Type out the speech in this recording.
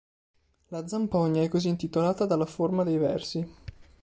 La "Zampogna" è così intitolata dalla forma dei versi.